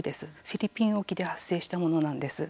フィリピン沖で発生したものなんです。